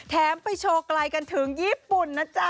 ไปโชว์ไกลกันถึงญี่ปุ่นนะจ๊ะ